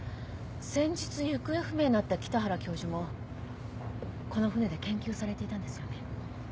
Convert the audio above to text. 先日行方不明になった北原教授もこの船で研究されていたんですよね？